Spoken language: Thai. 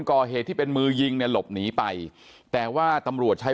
ก่อเหตุที่เป็นมือยิงเนี่ยหลบหนีไปแต่ว่าตำรวจใช้